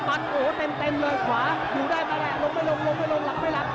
มันโอ้เต็มเลยขวาอยู่ได้ไหมแหละลงไม่ลงลงไม่ลงหลักไม่หลับ